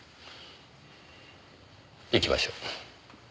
行きましょう。